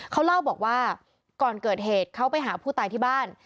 เขาเล่าบอกว่าก่อนเกิดเหตุเขาไปหาผู้ตายที่บ้าน